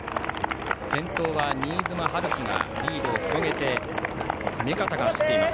先頭は、新妻遼己がリードを広げ目片が走っています。